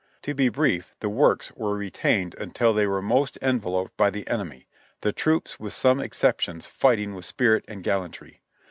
"To be brief, the works were retained until they were most en veloped by the enemy, the troops with some exceptions fighting with spirit and gallantry.